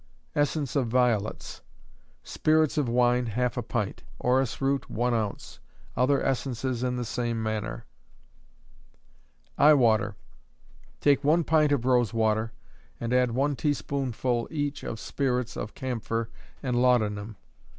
Essence of Violets. Spirits of wine, half a pint; orris root, one ounce. Other essences in the same manner. Eye Water. Take one pint of rose water, and add one teaspoonful each of spirits of camphor and laudanum.